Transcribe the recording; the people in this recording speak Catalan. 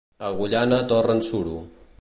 A Agullana torren suro.